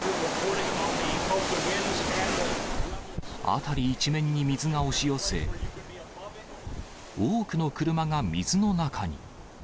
辺り一面に水が押し寄せ、多くの車が水の中に。